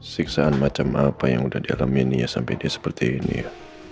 siksaan macam apa yang udah dia alami nia sampai dia seperti ini ya